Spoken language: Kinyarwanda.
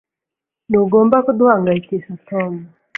Ntugomba kuduhangayikisha, Tom.